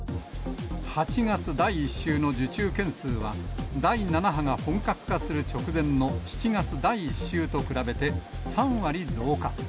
８月第１週の受注件数は、第７波が本格化する直前の７月第１週と比べて３割増加。